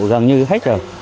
gần như hết rồi